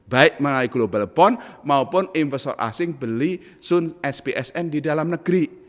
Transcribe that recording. baik melalui global bond maupun investor asing beli sun spsn di dalam negeri